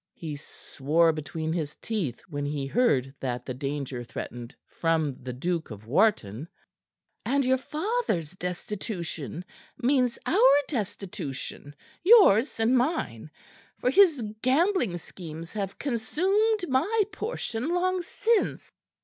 He swore between his teeth when he heard that the danger threatened from the Duke of Wharton. "And your father's destitution means our destitution yours and mine; for his gambling schemes have consumed my portion long since."